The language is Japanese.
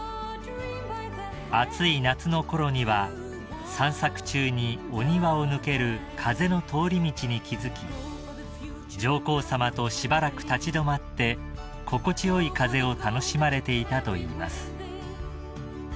［暑い夏のころには散策中にお庭を抜ける風の通り道に気付き上皇さまとしばらく立ち止まって心地よい風を楽しまれていたといいます］